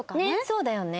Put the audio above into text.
そうだよね。